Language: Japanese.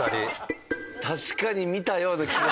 確かに見たような気が。